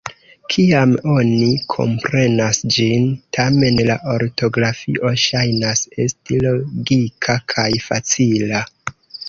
Kiam oni komprenas ĝin, tamen, la ortografio ŝajnas esti logika kaj facila.